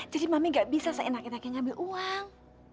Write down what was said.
jadi mami ga bisa seenak enaknya ngambil uang